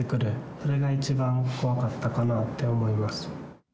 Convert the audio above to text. それが一番怖かったかなと思います。